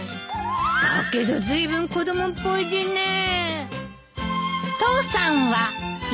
だけどずいぶん子供っぽい字ねえ。